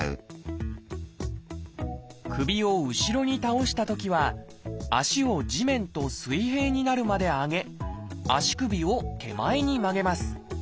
首を後ろに倒したときは足を地面と水平になるまで上げ足首を手前に曲げます。